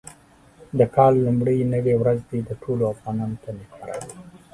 د کال لومړۍ نوې ورځ دې ټولو افغانانو ته نېکمرغه وي.